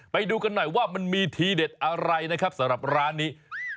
ไปดูกันหน่อยว่ามันมีทีเด็ดอะไรนะครับสำหรับร้านนี้